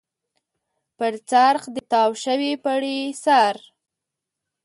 پر څرخ د تاو شوي پړي سر.